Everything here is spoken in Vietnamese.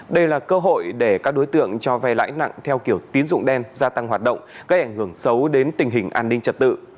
đây là cơ hội để các đối tượng cho vay lãi nặng theo kiểu tín dụng đen gia tăng hoạt động gây ảnh hưởng xấu đến tình hình an ninh trật tự